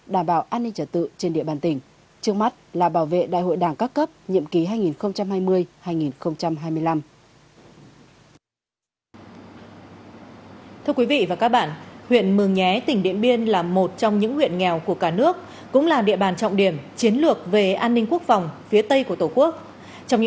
đảm bảo an ninh trả tự trên địa bàn tỉnh